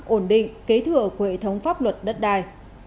ổn định kế thừa của hệ thống pháp luật đất đai